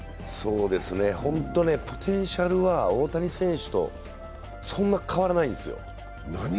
ホント、ポテンシャルは大谷選手とそんなに変わらないんですよ。